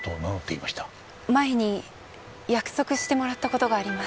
前に約束してもらった事があります。